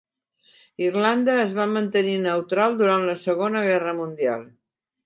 Irlanda es va mantenir neutral durant la Segona Guerra Mundial.